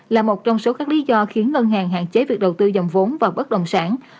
là một trong số các lý do khiến ngân hàng hạn chế việc đầu tư dòng vốn vào bất đồng sản